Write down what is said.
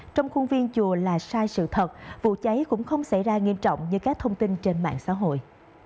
trong khuôn viên chùa là sai sự thật vụ cháy cũng không xảy ra nghiêm trọng như các thông tin trên mạng xã hội